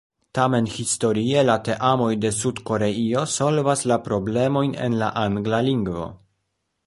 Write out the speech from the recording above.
Tamen historie la teamoj de Sud-Koreio solvas la problemojn en la angla lingvo.